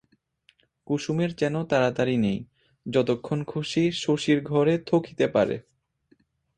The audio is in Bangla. কুসুমের যেন তাড়াতাড়ি নেই, যতক্ষণ খুশি শশীর ঘরে থকিতে পারে।